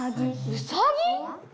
ウサギ？